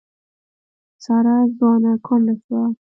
ساره ځوانه کونډه شوه.